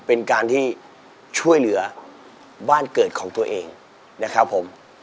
เป็นการที่ช่วยเหลือบ้านเกิดของตัวเองนะครับผม